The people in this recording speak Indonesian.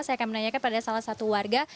saya akan menanyakan pada salah satu warga